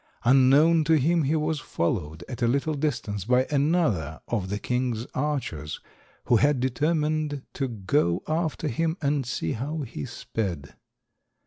Unknown to him he was followed at a little distance by another of the king's archers who had determined to go after him and see how he sped.